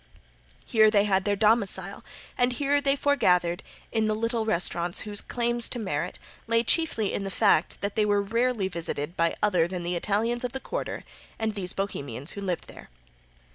Here they had their domicile, and here they foregathered in the little restaurants, whose claims to merit lay chiefly in the fact that they were rarely visited by other than the Italians of the quarter and these Bohemians who lived there.